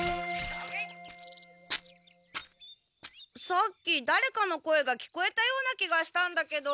さっきだれかの声が聞こえたような気がしたんだけど。